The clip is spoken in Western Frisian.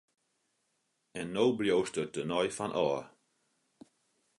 En no bliuwst der tenei fan ôf!